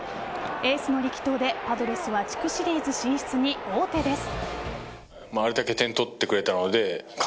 エースの力投でパドレスは地区シリーズ進出に王手です。